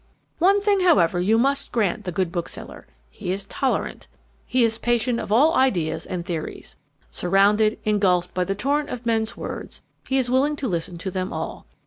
"One thing, however, you must grant the good bookseller. He is tolerant. He is patient of all ideas and theories. Surrounded, engulfed by the torrent of men's words, he is willing to listen to them all.